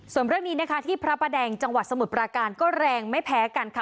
ส่วนเรื่องนี้นะคะที่พระประแดงจังหวัดสมุทรปราการก็แรงไม่แพ้กันค่ะ